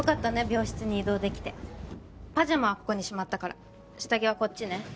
病室に移動できてパジャマはここにしまったから下着はこっちね